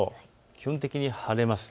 基本的に晴れます。